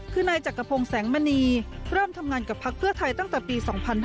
คือนายจักรพงศ์แสงมณีเริ่มทำงานกับพักเพื่อไทยตั้งแต่ปี๒๕๕๙